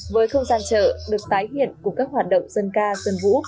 với không gian chợ được tái hiện cùng các hoạt động dân ca dân vũ